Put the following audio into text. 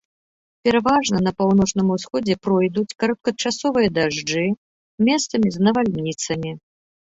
Пераважна на паўночным усходзе пройдуць кароткачасовыя дажджы, месцамі з навальніцамі.